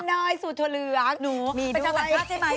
นูคุณไปเศร้าตัดคลักใช่ไหม